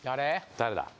誰だ？